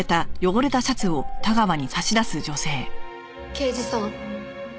刑事さん。